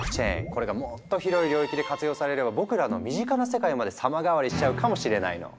これがもっと広い領域で活用されれば僕らの身近な世界まで様変わりしちゃうかもしれないの。